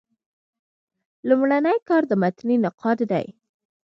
لومړنی کار د متني نقاد دﺉ.